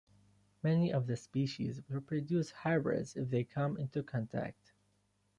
Many of the species will produce hybrids if they come into contact.